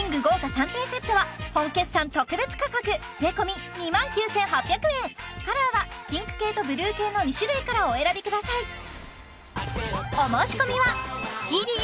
豪華３点セットは本決算特別価格税込２万９８００円カラーはピンク系とブルー系の２種類からお選びください